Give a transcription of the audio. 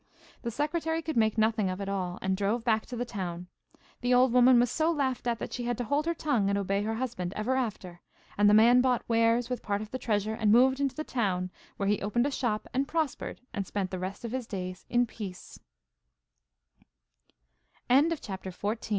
The secretary could make nothing of it all, and drove back to the town. The old woman was so laughed at that she had to hold her tongue and obey her husband ever after, and the man bought wares with part of the treasure and moved into the town, where he opened a shop, and prospered, and spent the rest of his da